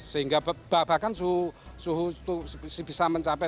sehingga bahkan suhu itu bisa mencapai